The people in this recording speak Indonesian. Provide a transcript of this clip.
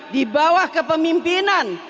di bawah kepemimpinan